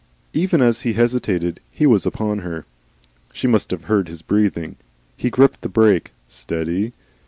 Even as he hesitated he was upon her. She must have heard his breathing. He gripped the brake. Steady!